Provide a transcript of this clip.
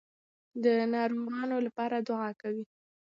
د ناروغانو لپاره دعا کوئ.